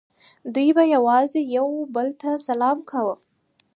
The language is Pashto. دوی به یوازې یو بل ته سلام کاوه